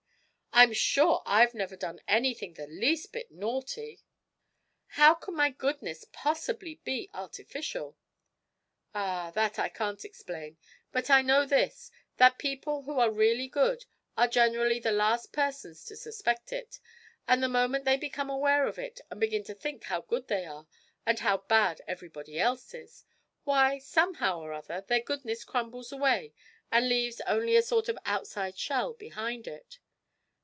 'I'm sure I've never done anything the least bit naughty how can my goodness possibly be artificial?' 'Ah, that I can't explain; but I know this that people who are really good are generally the last persons to suspect it, and the moment they become aware of it and begin to think how good they are, and how bad everybody else is, why, somehow or other, their goodness crumbles away and leaves only a sort of outside shell behind it.